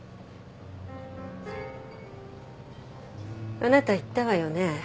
あなた言ったわよね？